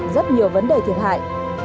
rất nhiều vấn đề thiệt hại